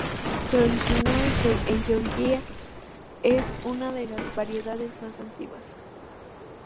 Se originó en Georgia y es una de las variedades más antiguas.